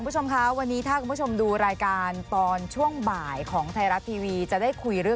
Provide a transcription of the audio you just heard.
ชนบุรีเนี่ยแม่ก็ไม่รู้จักแม่ก็ไปประมาณสี่ห้ารอบ